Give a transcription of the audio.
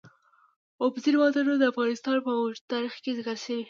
اوبزین معدنونه د افغانستان په اوږده تاریخ کې ذکر شوی دی.